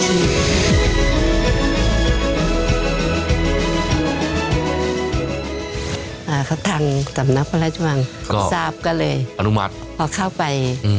ทางสำนักพระราชวังก็ทราบก็เลยอนุมัติพอเข้าไปอืม